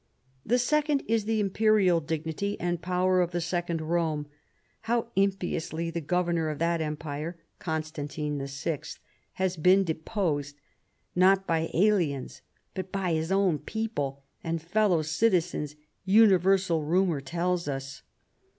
" The second is the Imperial dignity and power of the second Rome. How impiously the governor of that empire [Constantine VI.] has been deposed, not by aliens but by his own people and fellow citizens, universal rumor tells us.